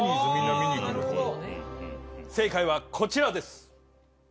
正解はこちらです。